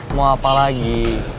mau apa lagi